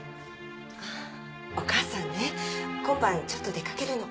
お母さんね今晩ちょっと出かけるの。